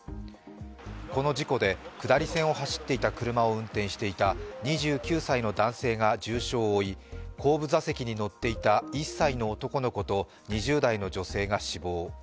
この事故で下り線を走っていた車を運転していた２９歳の男性が重傷を負い、後部座席に乗っていた１歳の男の子と２０代の女性が死亡。